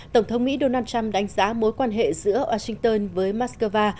tổng thống mỹ donald trump đánh giá mối quan hệ giữa washington với moscow